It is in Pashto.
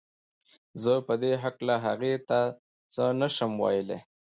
زه په دې هکله هغې ته څه نه شم ويلی